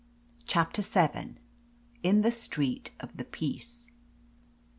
CHAPTER VII. IN THE STREET OF THE PEACE.